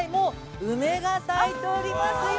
梅が咲いておりますよ。